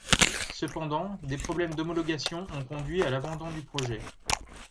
Cependant, des problèmes d'homologation ont conduit à l'abandon du projet.